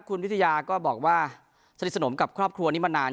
คุณวิทยาก็บอกว่าสนิทสนมกับครอบครัวนี้มานาน